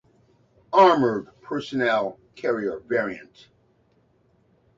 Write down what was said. Armoured personnel carrier variant.